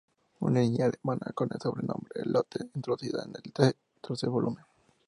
Una niña alemana, con el sobrenombre Lotte, introducida en el tercer volumen.